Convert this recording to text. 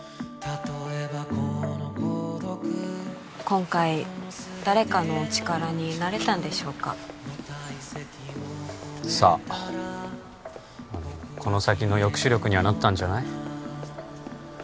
今回誰かのお力になれたんでしょうかさあこの先の抑止力にはなったんじゃない？